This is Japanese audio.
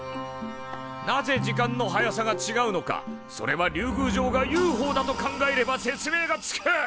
なぜ時間の速さがちがうのかそれは竜宮城がＵＦＯだと考えれば説明がつく！